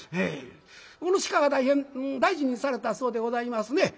この鹿が大変大事にされたそうでございますね。